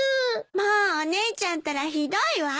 もうお姉ちゃんたらひどいわ！